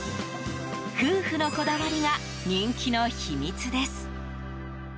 夫婦のこだわりが人気の秘密です。